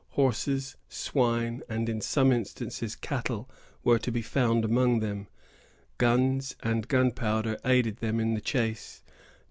Horses, swine, and in some instances cattle, were to be found among them. Guns and gunpowder aided them in the chase.